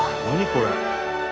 これ。